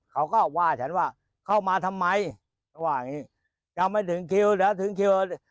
เขาก็ว่าฉันว่าเข้ามาทำไมเขาว่าอย่างนี้ยังไม่ถึงคิว